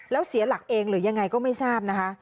แล้วเสียหลักเองหรือยังไงก็ไม่ทราบนะคะ